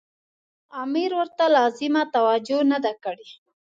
امیر ورته لازمه توجه نه ده کړې.